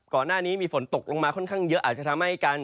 ก่อนหน้านี้มีฝนตกลงมาค่อนข้างเยอะอาจจะทำให้การ